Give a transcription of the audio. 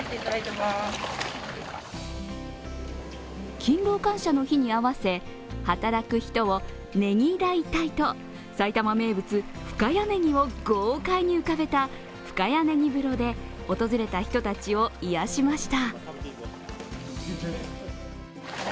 勤労感謝の日に合わせ働く人をねぎらいたいと埼玉名物・深谷ねぎを豪快に浮かべた深谷ねぎ風呂で訪れた人たちを癒やしました。